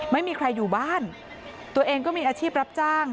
ไม่มีใครอยู่บ้านตัวเองก็มีอาชีพรับจ้าง